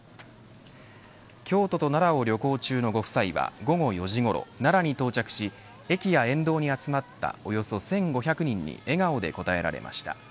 京都と奈良を旅行中のご夫妻は午後４時ごろ、奈良に到着し駅や沿道に集まったおよそ１５００人に笑顔で応えられました。